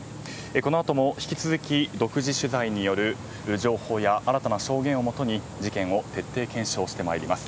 この後も引き続き独自取材による情報や新たな証言をもとに事件を徹底検証してまいります。